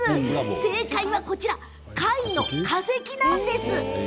正解は貝の化石なんです。